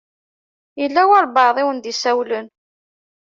Yella walebɛaḍ i wen-d-isawlen.